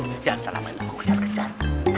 jangan salah main aku kejar kejar